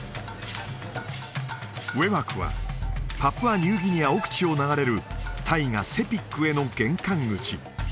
ウェワクはパプアニューギニア奥地を流れる大河セピックへの玄関口